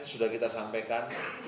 sudah kita sampaikan